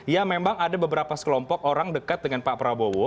ya memang ada beberapa sekelompok orang dekat dengan pak prabowo